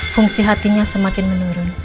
fungsi hatinya semakin menurun